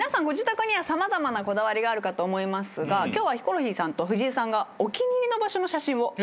ご自宅には様々なこだわりがあるかと思いますが今日はヒコロヒーさんと藤井さんがお気に入りの場所の写真を。